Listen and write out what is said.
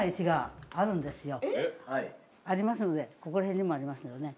ありますのでここら辺にもありますよね。